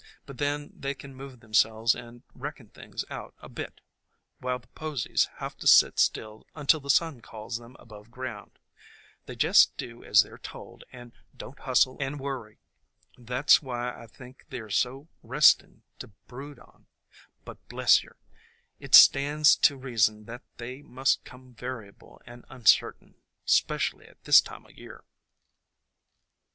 But then they can move themselves and reckon things out a bit while the posies have to sit still until the sun calls them above ground. They jest do as they 're told and don't hustle and worry. That 's why I think they 're so restin' to brood on ; but bless yer, it stands to reason that they must come variable and uncertain, specially at this time o' year."